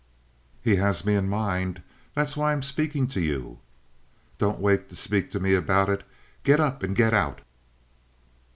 "He has me in mind. That's why I'm speaking to you." "Don't wait to speak to me about it. Get up and get out!"